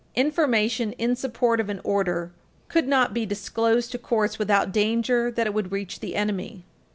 Information in support of an order could not be disclosed to courts without danger that it would reach the enemy.